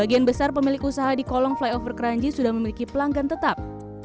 sebagian besar pemilik usaha di kolong flyover keranji sudah memiliki pelanggan tetap